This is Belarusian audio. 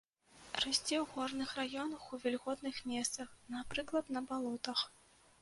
Расце ў горных раёнах ў вільготных месцах, напрыклад, на балотах.